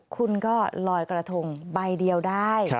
คุณก็ลอยกระทงใบเดียวได้